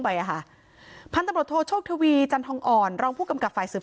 ไปอ่ะค่ะพันธุ์ตำรวจโทโชคทวีจันทองอ่อนรองผู้กำกับฝ่ายสืบ